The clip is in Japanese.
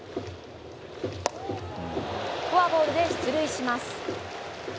フォアボールで出塁します。